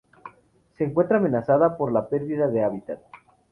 Se encuentra amenazada por la perdida de hábitat.